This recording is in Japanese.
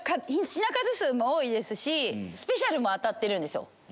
品数も多いですしスペシャルメニューも当たってるんですよ。